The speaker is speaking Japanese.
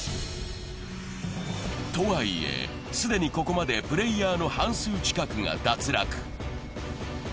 とはいえ、既にここまでプレイヤーの半数近くが脱落。